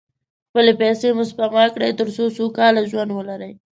خپلې پیسې مو سپما کړئ، تر څو سوکاله ژوند ولرئ.